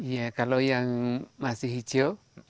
ya kalau yang masih hijau